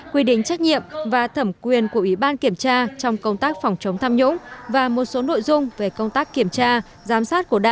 quy định trách nhiệm và thẩm quyền của ủy ban kiểm tra trong công tác phòng chống tham nhũng và một số nội dung về công tác kiểm tra giám sát của đảng